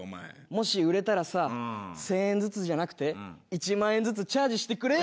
もし売れたらさ１０００円ずつじゃなくて１万円ずつチャージしてくれよ？